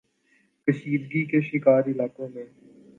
کشیدگی کے شکار علاقوں میں